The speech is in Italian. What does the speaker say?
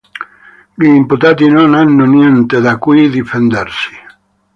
Gli imputati non hanno niente da cui difendersi.